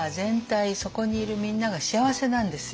そこにいるみんなが幸せなんですよ。